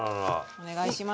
お願いします。